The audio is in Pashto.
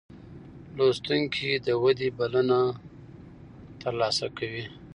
لوستونکی د ودې بلنه ترلاسه کوي.